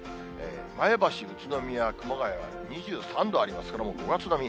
前橋、宇都宮、熊谷は２３度ありますから、もう５月並み。